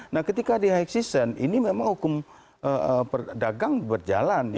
nah ketika di high season ini memang hukum dagang berjalan